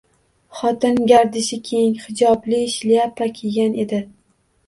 Xotin gardishi keng, hijobli shlyapa kiygan edi